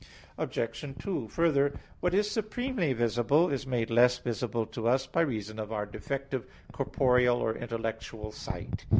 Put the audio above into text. Obj. 2: Further, what is supremely visible, is made less visible to us by reason of our defective corporeal or intellectual sight.